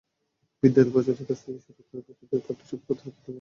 বিদ্যালয়ের প্রশাসনিক কাজ থেকে শুরু করে শিক্ষার্থীদের পাঠদান—সবই করাতে হচ্ছে তাঁকে।